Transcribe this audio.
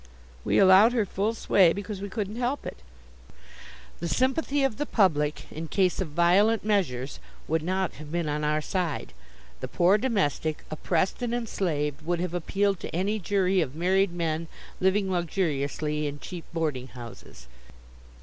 We allowed her full sway, because we couldn't help it. The sympathy of the public, in case of violent measures, would not have been on our side. The poor domestic, oppressed and enslaved, would have appealed to any jury of married men, living luxuriously in cheap boarding houses!